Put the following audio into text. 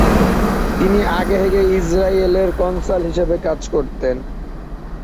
তিনি আগে হেগে ইস্রায়েলের কনসাল হিসেবে কাজ করতেন।